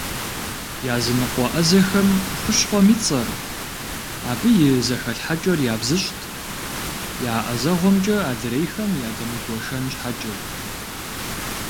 Языныкъуэ ӏэзэхэм хущхъуэм и цӏэр, абы и зэхэлъхьэкӏэр ябзыщӏт, я ӏэзэгъуэмкӏэ адрейхэм ядэмыгуэшэн щхьэкӏэ.